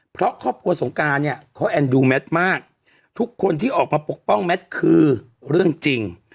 เพราะครอบครัวสงการเนี่ยเขาแอนดูแมทมากทุกคนที่ออกมาปกป้องแมทคือเรื่องจริง